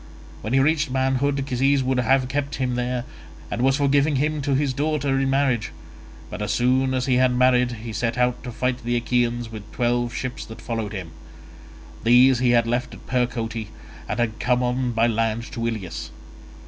When he reached manhood, Cisses would have kept him there, and was for giving him his daughter in marriage, but as soon as he had married he set out to fight the Achaeans with twelve ships that followed him: these he had left at Percote and had come on by land to Ilius.